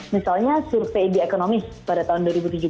misalnya survei di ekonomis pada tahun dua ribu tujuh belas